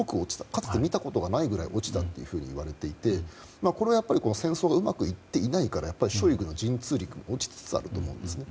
かつて見たことがないくらい落ちたといわれていてこれは、やっぱり戦争がうまくいっていないからショイグの神通力も落ちつつあると思うんですね。